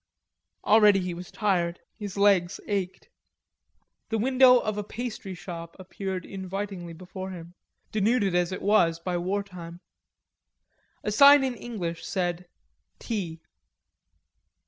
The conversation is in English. Already he was tired; his legs ached. The window of a pastry shop appeared invitingly before him, denuded as it was by wartime. A sign in English said: "Tea."